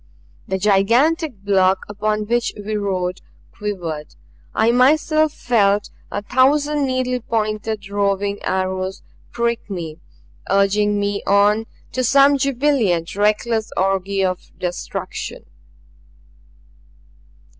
The gigantic block upon which we rode quivered; I myself felt a thousand needle pointed roving arrows prick me, urging me on to some jubilant, reckless orgy of destruction.